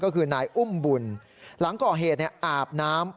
คือนายอุ่มบุญหลังก่อเหตุเนี่ยอาบน้ำ